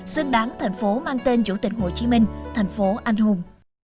xứng đáng tp hcm mang tên chủ tịch hồ chí minh tp anh hùng